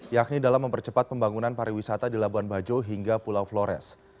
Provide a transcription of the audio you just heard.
yakni dalam mempercepat pembangunan pariwisata di labuan bajo hingga pulau flores